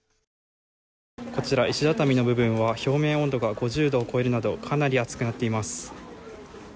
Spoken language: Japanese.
こちら、石畳の部分は表面温度が５０度を超えるなどかなり暑くなっています。